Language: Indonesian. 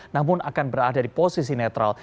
namun akan berada di posisi netral